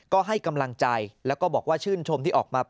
ก็ให้กำลังใจแล้วก็บอกว่าชื่นชมที่ออกมา